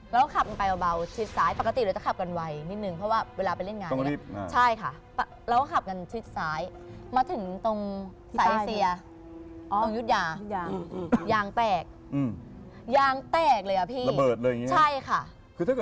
เราขับกันไปเบาชิดซ้ายปกติเราจะขับกันไวนิดนึงเพราะว่าเวลาไปเล่นงานเนี่ยใช่ค่ะเราก็ขับกันชิดซ้ายมาถึงตรงสายเซียตรงยุดยางยางแตกยางแตกเลยอ่ะพี่เปิดเลยอย่างนี้ใช่ค่ะ